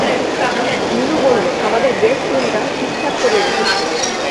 নীলু বলল, আমাদের গেষ্টরুমটা ঠিকঠাক করে রেখেছি।